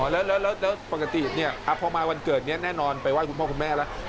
อ๋อแล้วปกติเนี่ยพอมาวันเกิดเนี่ยแน่นอนไปว่าคุณพ่อคุณแม่แล้ว